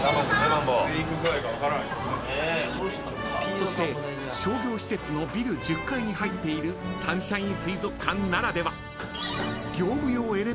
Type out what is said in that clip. ［そして商業施設のビル１０階に入っているサンシャイン水族館ならでは］